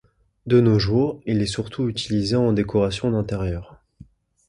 De nos jours, il est surtout utilisé en décoration d'intérieur.